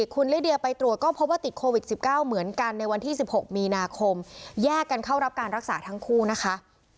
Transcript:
คุณลิเดียไปตรวจก็พบว่าติดโควิด๑๙เหมือนกันในวันที่๑๖มีนาคมแยกกันเข้ารับการรักษาทั้งคู่นะคะ